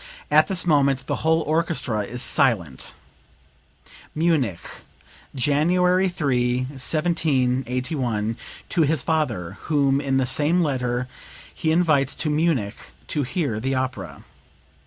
At this moment the whole orchestra is silent." (Munich, January 3, 1781, to his father, whom in the same letter he invites to Munich to hear the opera.)